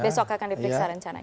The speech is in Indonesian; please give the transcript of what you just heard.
besok akan dipiksa rencananya